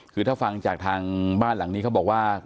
คือถ้าฟังจากทางบ้านหลังนี้เขาบอกว่า